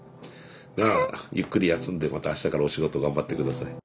じゃあゆっくり休んでまた明日からお仕事頑張って下さい。